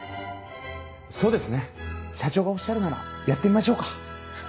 そうですね社長がおっしゃるならやってみましょうか。